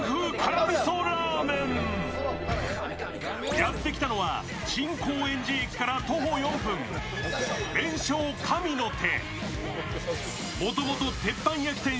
やってきたのは新高円寺駅から徒歩４分、麺昇神の手。